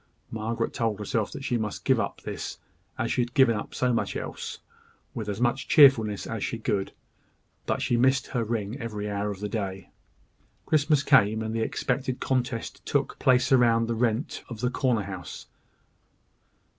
Margaret told herself that she must give up this, as she had given up so much else, with as much cheerfulness as she could; but she missed her ring every hour of the day. Christmas came; and the expected contest took, place about the rent of the corner house.